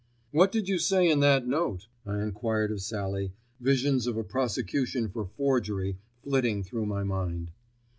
"What did you say in that note?" I enquired of Sallie, visions of a prosecution for forgery flitting through my mind.